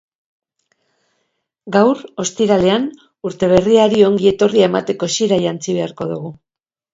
Gaur, ostiralean, urte berriari ongi etorria emateko xira jantzi beharko dugu.